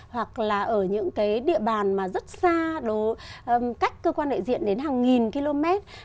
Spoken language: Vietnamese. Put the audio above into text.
hoặc là ở những địa bàn rất xa cách cơ quan đại diện đến hàng nghìn km